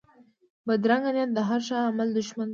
بدرنګه نیت د هر ښه عمل دشمن دی